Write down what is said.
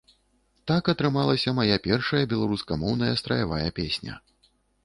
Так атрымалася мая першая беларускамоўная страявая песня.